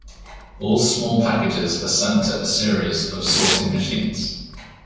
All small packages are sent to a series of sorting machines.